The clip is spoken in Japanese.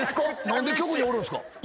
何で局におるんすか？